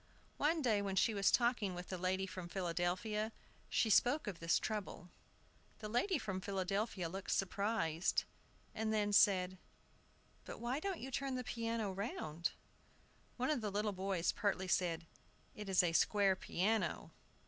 One day, when she was talking with the lady from Philadelphia, she spoke of this trouble. The lady from Philadelphia looked surprised, and then said, "But why don't you turn the piano round?" One of the little boys pertly said, "It is a square piano."